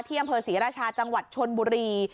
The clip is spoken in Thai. เที่ยมเผอร์ศรีรชาจังหวัดชนบุรี